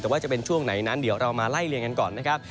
แต่ว่าจะเป็นช่วงไหนนั้นเดี๋ยวเรามาไล่เลี่ยงกันก่อนนะครับ